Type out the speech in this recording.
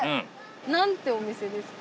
何てお店ですか？